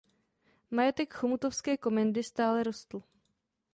Majetek chomutovské komendy stále rostl.